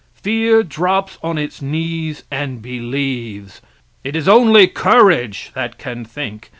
Fear drops on its knees and believes. It is only courage that can think.